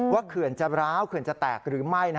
เขื่อนจะร้าวเขื่อนจะแตกหรือไม่